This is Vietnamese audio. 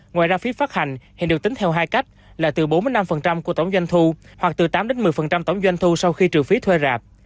ngoài ra phí phát hành hiện được tính theo hai cách là từ bốn mươi năm của tổng doanh thu hoặc từ tám một mươi tổng doanh thu sau khi trừ phí thuê rạp